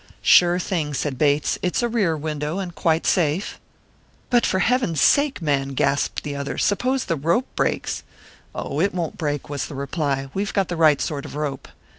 "Sure thing," said Bates; "it's a rear window, and quite safe." "But for Heaven's sake, man!" gasped the other, "suppose the rope breaks?" "Oh, it won't break," was the reply; "we've got the right sort of rope."